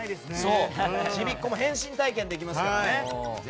ちびっ子も変身体験できます。